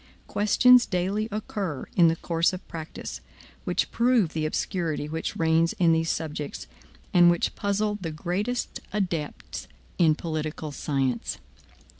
Questions daily occur in the course of practice, which prove the obscurity which reins in these subjects, and which puzzle the greatest adepts in political science.